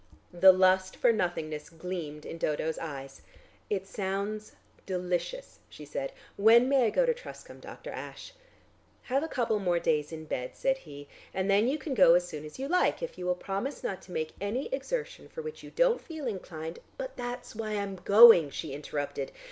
The lust for nothingness gleamed in Dodo's eyes. "It sounds delicious," she said. "When may I go to Truscombe, Dr. Ashe?" "Have a couple more days in bed," said he, "and then you can go as soon as you like, if you will promise not to make any exertion for which you don't feel inclined " "But that's why I'm going," she interrupted.